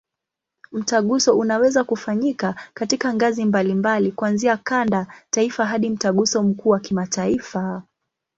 Mtaguso unaweza kufanyika katika ngazi mbalimbali, kuanzia kanda, taifa hadi Mtaguso mkuu wa kimataifa.